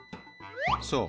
そう。